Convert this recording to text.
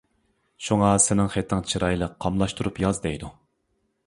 شۇڭا «سېنىڭ خېتىڭ چىرايلىق، قاملاشتۇرۇپ ياز» دەيدۇ.